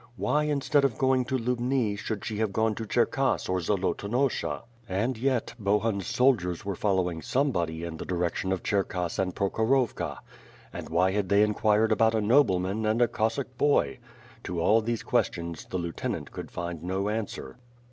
Why, instead of going to Lubni, should she have gone to Cherkass or Zolotonosha? And yet, Bohun's soldiers were following somebody in the WITH FIRE AND SWORD, 295 direction of Cherkass and Prokhorovka. And why had they enquired about a nobleman and a Cossack boy? To all these questions, the lieutenant could find no answer.